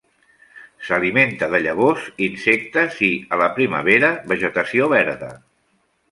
S'alimenta de llavors, insectes i, a la primavera, vegetació verda.